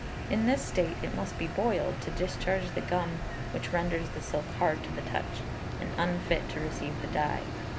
In this state it must be boiled, to discharge the gum which renders the silk hard to the touch, and unfit to receive the dye.